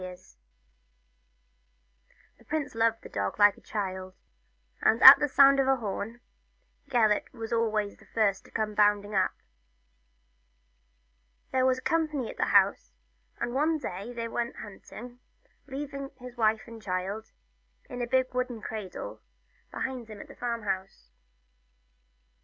c 2 2O The Story of Gelert. The prince loved the dog like a child, and at the sound of his horn Gelert was always the first to come bounding up. There was company at the house, and one day they went hunting, leaving his wife and the child, in a big wooden cradle, behind him at the farm house.